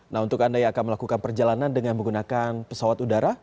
nah untuk anda yang akan melakukan perjalanan dengan menggunakan pesawat udara